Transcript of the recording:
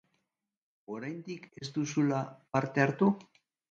Oraindik ez duzula parte hartu?